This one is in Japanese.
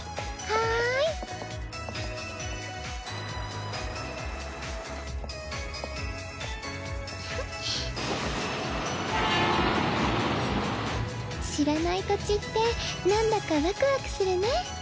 プーッ知らない土地ってなんだかワクワクするね。